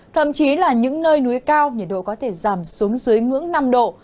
thậm chí là những nơi núi cao nhiệt độ có thể giảm xuống dưới ngưỡng năm độ